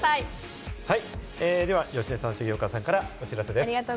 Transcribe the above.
芳根さん、重岡さんからお知らせです。